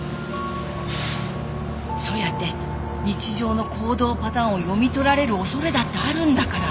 そうやって日常の行動パターンを読み取られる恐れだってあるんだから。